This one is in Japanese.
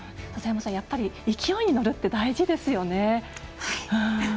やっぱり勢いに乗るって大事ですよね。